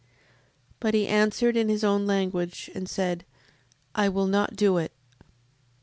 7:8. But he answered in his own language, and said: I will not do it.